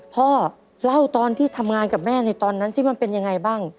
พ่อเล่าตอนที่ทำงานกับแม่ในตอนนั้นสิมันเป็นยังไงบ้าง